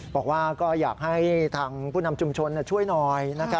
บอกว่าก็อยากให้ทางผู้นำชุมชนช่วยหน่อย